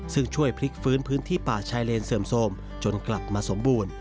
ซึ่งช่วยพลิกฟื้นพื้นที่ป่าชายเลนเสื่อมโทรมจนกลับมาสมบูรณ์